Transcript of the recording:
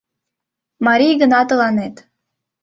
Марий гына тыланет